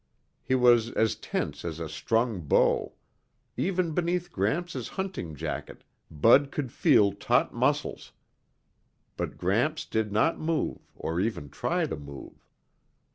He was as tense as a strung bow; even beneath Gramps' hunting jacket Bud could feel taut muscles. But Gramps did not move or even try to move.